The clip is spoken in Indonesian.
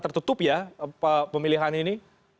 tertutup ya pemilihan ini